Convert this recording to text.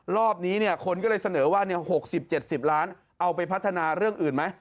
รอบนี้เนี่ยคนก็เลยเสนอว่าเนี่ยหกสิบเจ็ดสิบล้านเอาไปพัฒนาเรื่องอื่นไหม